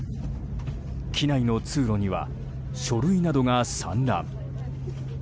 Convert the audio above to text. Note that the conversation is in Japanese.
機内の通路には書類などが散乱。